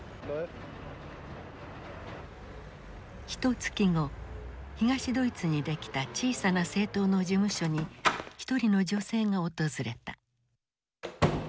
ひとつき後東ドイツにできた小さな政党の事務所に一人の女性が訪れた。